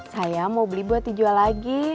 saya mau beli buat dijual lagi